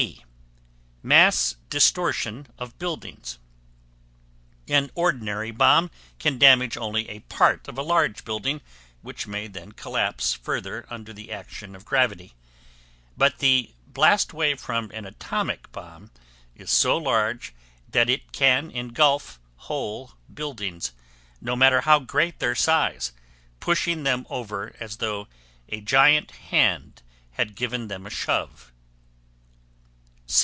B. Mass distortion of buildings. An ordinary bomb can damage only a part of a large building, which may then collapse further under the action of gravity. But the blast wave from an atomic bomb is so large that it can engulf whole buildings, no matter how great their size, pushing them over as though a giant hand had given them a shove.